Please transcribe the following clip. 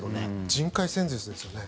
人海戦術ですよね。